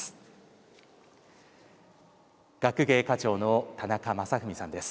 学芸課長の田中正史さんです。